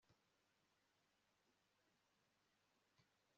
bazahabwa ingororano zitagereranywa